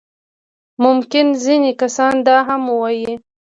ممکن ځينې کسان دا هم ووايي.